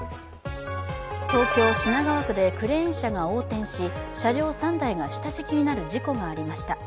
東京・品川区でクレーン車が横転し車両３台が下敷きになる事故がありました。